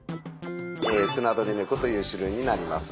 スナドリネコという種類になります。